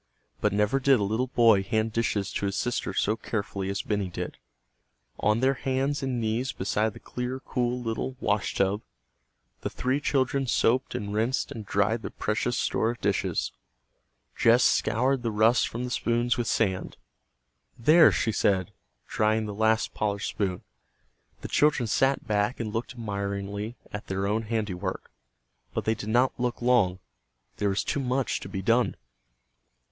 But never did a little boy hand dishes to his sister so carefully as Benny did. On their hands and knees beside the clear, cool little "washtub," the three children soaped and rinsed and dried their precious store of dishes. Jess scoured the rust from the spoons with sand. "There!" she said, drying the last polished spoon. The children sat back and looked admiringly at their own handiwork. But they did not look long. There was too much to be done.